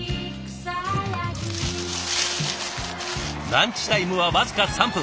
ランチタイムは僅か３分。